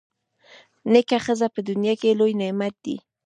نېکه ښځه په دنیا کي لوی نعمت دی.